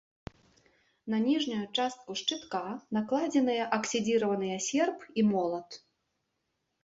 На ніжнюю частку шчытка накладзеныя аксідзіраваныя серп і молат.